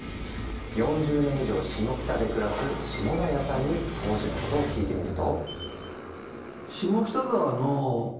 ４０年以上シモキタで暮らす下平さんに当時のことを聞いてみると。